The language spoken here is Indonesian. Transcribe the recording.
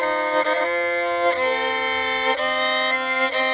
nanda sudah sampai sekarang tidakible